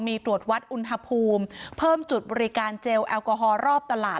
มีตรวจวัดอุณหภูมิเพิ่มจุดบริการเจลแอลกอฮอล์รอบตลาด